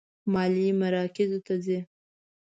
مالي مراکزو ته ځي.